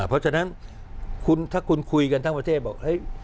เพราะฉะนั้นถ้าคุณคุยกันทั้งประเทศบอกเฮ้ย